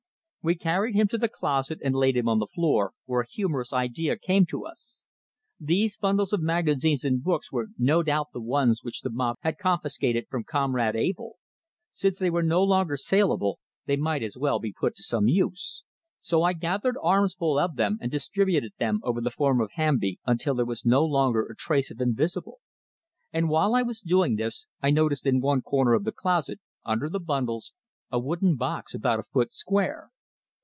We carried him to the closet and laid him on the floor, where a humorous idea came to us. These bundles of magazines and books were no doubt the ones which the mob had confiscated from Comrade Abell. Since they were no longer saleable, they might as well be put to some use, so I gathered armfuls of them and distributed them over the form of Hamby, until there was no longer a trace of him visible. And while I was doing this, I noticed in one corner of the closet, under the bundles, a wooden box about a foot square.